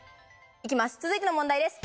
行きます続いての問題です。